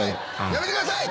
やめてください！